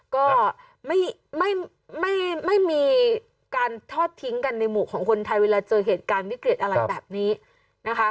ก็ไม่มีการทอดทิ้งกันในหมู่ของคนไทยเวลาเจอเหตุการณ์วิกฤตอะไรแบบนี้นะคะ